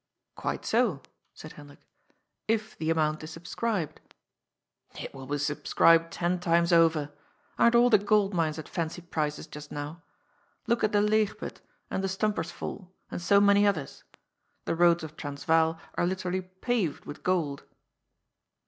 " Quite so,*' said Hendrik, " if the amount is subscribed." " It will be subscribed ten times over. Aren't all the gold mines at fancy prices just now ? Look at the Leeg put and the Stumper's Fall, and so many others. The roads of Transvaal are literally paved with gold."